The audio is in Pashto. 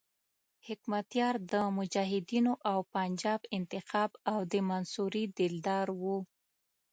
حکمتیار د مجاهدینو او پنجاب انتخاب او د منصوري دلدار وو.